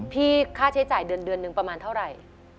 ค่าใช้จ่ายเดือนหนึ่งประมาณเท่าไหร่